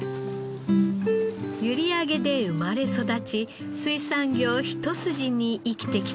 閖上で生まれ育ち水産業一筋に生きてきた櫻井さん。